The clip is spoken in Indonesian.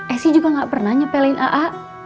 esy juga gak pernah nyepelein a'a